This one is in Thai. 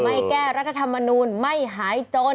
แก้รัฐธรรมนูลไม่หายจน